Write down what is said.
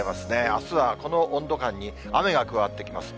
あすはこの温度感に雨が加わってきます。